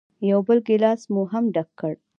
یو بل ګیلاس مو هم ډک کړ.